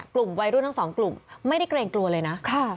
กลุ่มวัยรุ่นทั้งสองกลุ่มไม่ได้เกรงกลัวเลยนะ